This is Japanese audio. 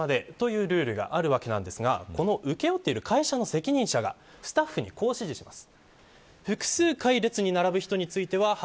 １世帯３冊まで、というルールがあるわけなんですがこの請負っている会社の責任者がスタッフにこう指示します。